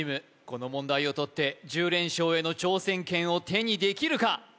この問題をとって１０連勝への挑戦権を手にできるか？